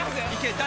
誰？